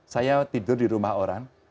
saya tidur di rumah orang